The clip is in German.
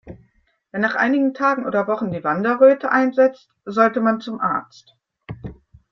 Wenn nach einigen Tagen oder Wochen die Wanderröte einsetzt, sollte man zum Arzt.